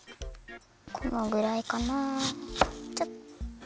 このぐらいかなあちょっと。